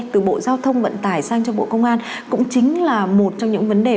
từ bộ giao thông vận tải sang cho bộ công an cũng chính là một trong những vấn đề